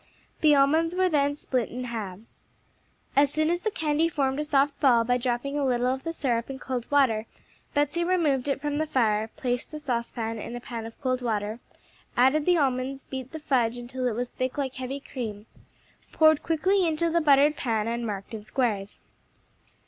The almonds were then split in halves. As soon as the candy formed a soft ball by dropping a little of the syrup in cold water, Betsey removed it from the fire, placed the saucepan in a pan of cold water, added the almonds, beat the fudge until it was thick like heavy cream, poured quickly into the buttered pan and marked in squares.